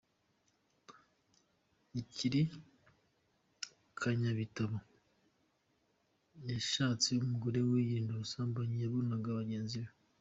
Akiri ‘Kanyabitabo’ yashatse umugore ngo yirinde ubusambanyi yabonanaga bagenzi be.